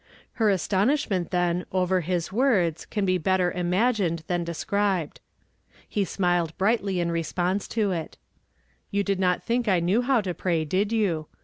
Her astonishment, then, over his Avords can be better imagined than described. He smiled brightly iJi response to it. '' You did not think I knew how to pray, did you?